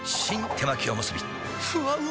手巻おむすびふわうま